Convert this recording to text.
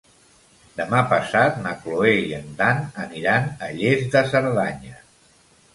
Demà passat na Cloè i en Dan aniran a Lles de Cerdanya.